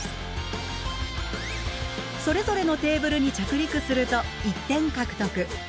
それぞれのテーブルに着陸すると１点獲得。